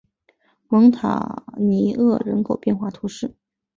蒙塔尼厄人口变化图示